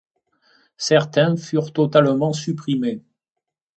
Certains furent totalement supprimés.